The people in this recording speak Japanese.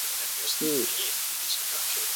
スー